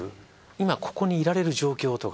今ここにいられる状況とか。